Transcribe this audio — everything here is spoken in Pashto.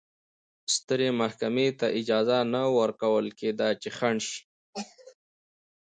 سترې محکمې ته اجازه نه ورکوله چې خنډ شي.